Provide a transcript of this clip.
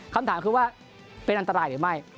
คำถามคือว่าเป็นอันตรายหรือไม่